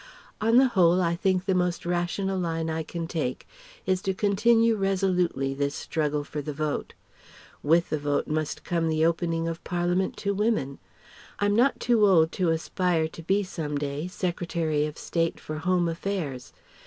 On the whole, I think the most rational line I can take is to continue resolutely this struggle for the Vote. With the Vote must come the opening of Parliament to women. I'm not too old to aspire to be some day Secretary of State for Home Affairs.